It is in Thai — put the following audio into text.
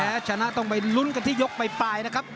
และชนะต้องไปลุ้นกันที่ยกปลายนะครับ